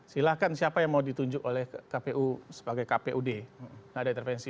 silahkan siapa yang mau ditunjuk oleh kpu sebagai kpud